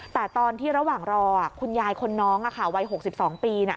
แต่ตอนที่ระหว่างรออ่ะคุณยายไว่๖๒ปีอ่ะค่ะ